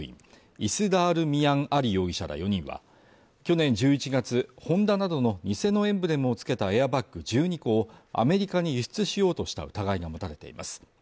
イスラール・ミアン・アリ容疑者ら４人は去年１１月ホンダなどの偽のエンブレムをつけたエアバッグ１２個をアメリカに輸出しようとした疑いが持たれています